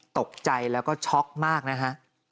ตกใจแล้วก็ช็อกมากนะฮะ